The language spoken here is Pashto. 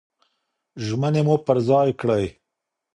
ژمني مو پر ځای کړئ.